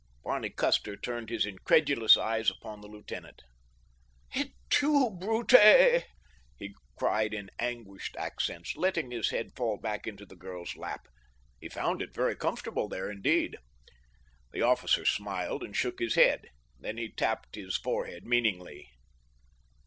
Barney Custer turned his incredulous eyes upon the lieutenant. "Et tu, Brute?" he cried in anguished accents, letting his head fall back into the girl's lap. He found it very comfortable there indeed. The officer smiled and shook his head. Then he tapped his forehead meaningly.